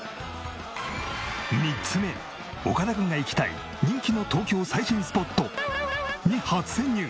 ３つ目岡田君が行きたい人気の東京最新スポットに初潜入。